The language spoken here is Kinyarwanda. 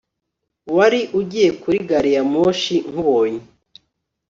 Wari ugiye kuri gari ya moshi nkubonye